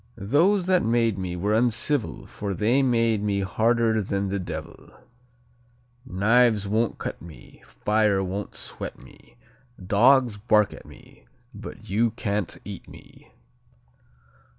"Those that made me were uncivil For they made me harder than the devil. Knives won't cut me; fire won't sweat me; Dogs bark at me, but can't eat me."